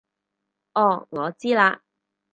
哦我知喇